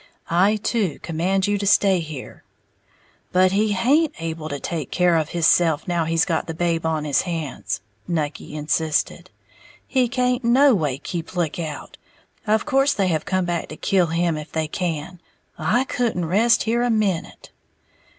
I, too, command you to stay here." "But he haint able to take care of hisself now he's got the babe on his hands," Nucky insisted; "he can't noway keep lookout: of course they have come back to kill him if they can. I couldn't rest here a minute."